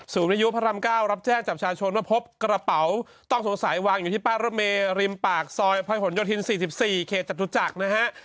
วิยุพระราม๙รับแจ้งจากชาชนว่าพบกระเป๋าต้องสงสัยวางอยู่ที่ป้ายรถเมริมปากซอยพระหลโยธิน๔๔เขตจตุจักรนะฮะ